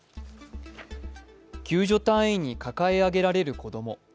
救助隊員に抱え上げられる子供。